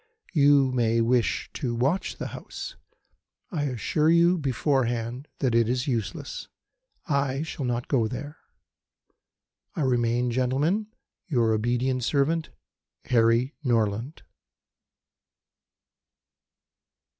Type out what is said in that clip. You may wish to watch the house. I assure you beforehand that it is useless. I shall not go there. I remain, Gentlemen, "Your obedient servant, "HARRY NORLAND."